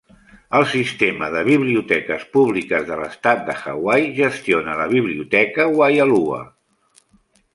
El sistema de biblioteques públiques de l'estat de Hawaii gestiona la biblioteca Waialua.